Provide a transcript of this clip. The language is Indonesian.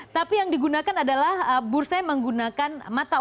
tapi yang digunakan adalah bursa yang menggunakan mata uang